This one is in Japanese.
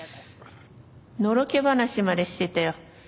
のろけ話までしてたよ。